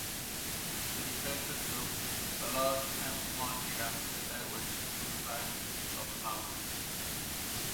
The "defenders" dug a large counter-mine shaft outwards from the base of the moat.